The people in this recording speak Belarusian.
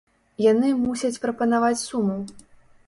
Яны мусяць прапанаваць суму!